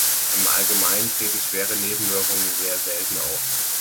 Im Allgemeinen treten schwere Nebenwirkungen sehr selten auf.